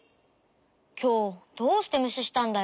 きょうどうしてむししたんだよ？